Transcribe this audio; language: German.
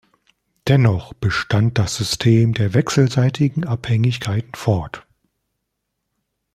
Dennoch bestand das System der wechselseitigen Abhängigkeiten fort.